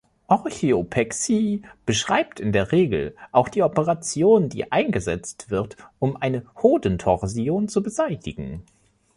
Orchiopexie beschreibt in der Regel auch die Operation, die eingesetzt wird, um eine Hodentorsion zu beseitigen.